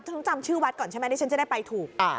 ฉันจำชื่อวัดก่อนใช่ไหมที่ฉันจะได้ไปถูก